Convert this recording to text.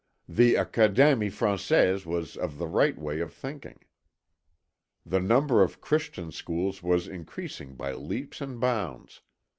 The Académie Française was of the right way of thinking. The number of Christian schools was increasing by leaps and bounds.